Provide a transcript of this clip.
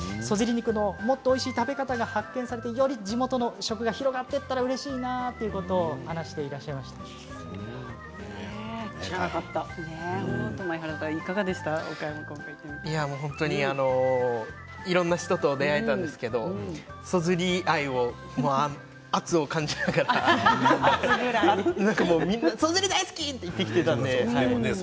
肉のもっとおいしい食べ方が発見されてもっと地元の食が広がっていったらうれしいなと前原さん、いかがでしたかいろいろな人と出会えたんですけれどもそずり愛の圧を感じながらみんな、そずり大好き！と言ってきていたので。